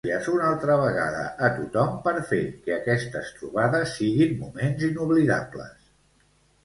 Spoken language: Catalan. Gràcies una altra vegada a tothom per fer que aquestes trobades siguin moments inoblidables.